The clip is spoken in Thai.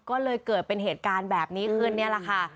ก็เลยเกิดเป็นเหตุการณ์แบบนี้ขึ้นนี่แหละค่ะ